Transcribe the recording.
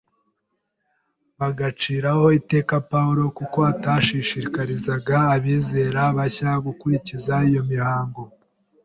bagaciraho iteka Pawulo kuko atashishikarizaga abizera bashya gukurikiza iyo mihango.